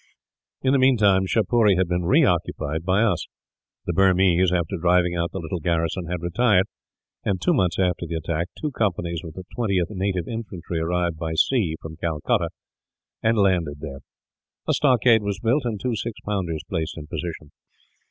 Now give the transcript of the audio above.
In the meantime, Shapuree had been reoccupied by us. The Burmese after driving out the little garrison had retired and, two months after the attack, two companies of the 20th Native Infantry arrived by sea, from Calcutta, and landed there. A stockade was built, and two six pounders placed in position.